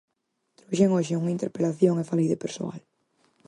Trouxen hoxe unha interpelación e falei de persoal.